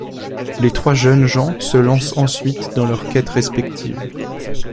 Les trois jeunes gens se lancent ensuite dans leurs quêtes respectives.